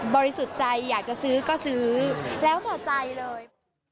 บริสุทธิ์ใจอยากจะซื้อก็ซื้อแล้วเติบใจเลย